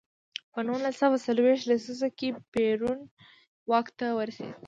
په نولس سوه څلویښت لسیزه کې پېرون واک ته ورسېد.